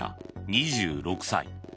２６歳。